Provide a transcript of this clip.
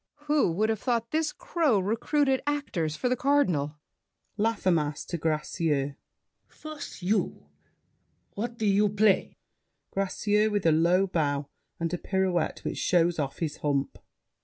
Who would have thought this crow Recruited actors for the Cardinal? LAFFEMAS (to Gracieux). First you. What do you play? GRACIEUX (with a low bow and a pirouette which shows off his hump).